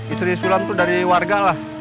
istri sulam itu dari warga lah